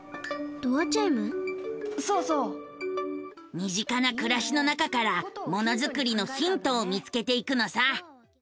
身近な暮らしの中からものづくりのヒントを見つけていくのさ。